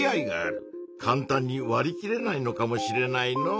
かんたんにわりきれないのかもしれないのう。